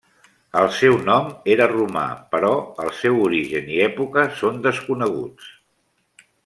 El seu nom era romà, però el seu origen i època són desconeguts.